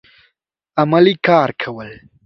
عملي کار کول